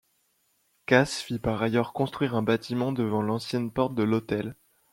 Casse fit par ailleurs construire un bâtiment devant l'ancienne porte de l'hôtel.